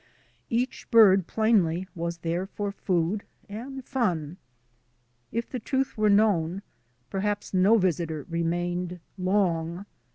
Each bird plainly was there for food and fun. If the truth were known, perhaps no visitor re mained long.